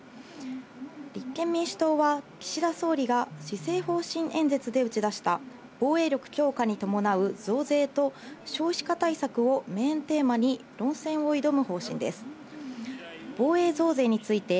立憲民主党は岸田総理が施政方針演説で打ち出した防衛力強化に伴う増税と、少子化対策をメーンテーマに論戦を挑む方針です。